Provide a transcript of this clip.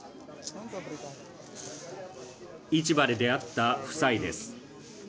市場で出会った夫妻です。